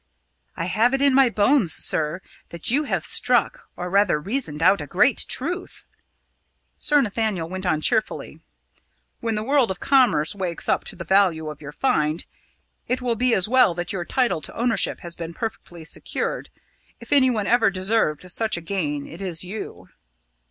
"I have it in my bones, sir, that you have struck or rather reasoned out a great truth." Sir Nathaniel went on cheerfully. "When the world of commerce wakes up to the value of your find, it will be as well that your title to ownership has been perfectly secured. If anyone ever deserved such a gain, it is you."